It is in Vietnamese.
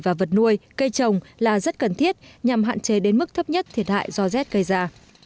và vật nuôi cây trồng là rất cần thiết nhằm hạn chế đến mức thấp nhất thiệt hại do rét gây ra